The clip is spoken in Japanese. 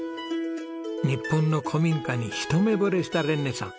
日本の古民家に一目惚れしたレンネさん。